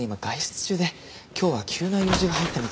今日は急な用事が入ったみたいで。